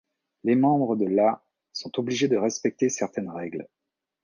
Les membres de la sont obligés de respecter certaines règles.